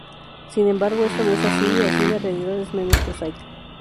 Sin embargo, esto no es así, y la realidad es menos prosaica.